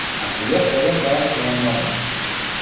Ако и јас тоа го правам, тоа е нормално.